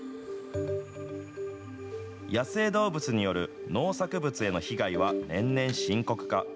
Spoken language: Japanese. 野生動物による農作物への被害は年々深刻化。